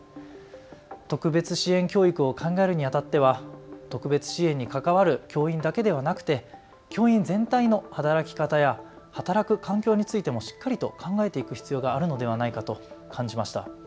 特別支援教育を考えるにあたっては特別支援に関わる教員だけではなくて教員全体の働き方や働く環境についてもしっかりと考えていく必要があるのではないかと感じました。